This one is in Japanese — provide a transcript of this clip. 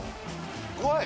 怖い。